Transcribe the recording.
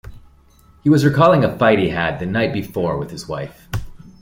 He was recalling a fight he had the night before with his wife.